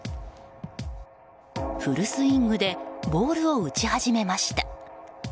フルスイングでボールを打ち始めました。